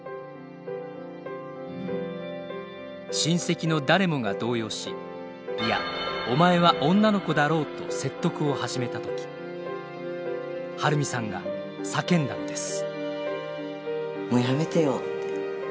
親戚の誰もが動揺し「いやお前は女の子だろう」と説得を始めた時春美さんが叫んだのです。